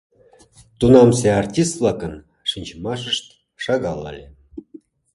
Тунамсе артист-влакын шинчымашышт шагал ыле.